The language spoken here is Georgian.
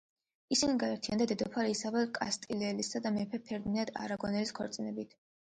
ისინი გაერთიანდა დედოფალ ისაბელ კასტილიელისა და მეფე ფერდინანდ არაგონელის ქორწინებით.